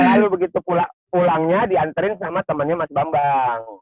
selalu begitu pulangnya diantarin sama temennya mas bambang